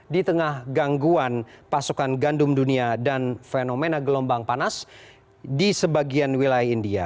di tengah gangguan pasokan gandum dunia dan fenomena gelombang panas di sebagian wilayah india